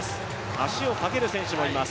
足をかける選手もいます。